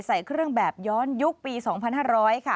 ใส่เครื่องแบบย้อนยุคปี๒๕๐๐ค่ะ